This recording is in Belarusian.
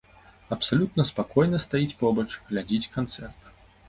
Абсалютна спакойна стаіць побач, глядзіць канцэрт.